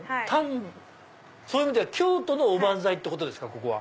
そういう意味では京都のお番菜ってことですか？